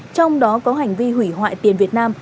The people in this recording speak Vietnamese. trong đó có hành vi hủy hoại tiền việt nam